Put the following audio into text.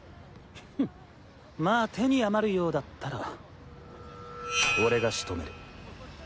フンまぁ手に余るようだったら俺が仕留める。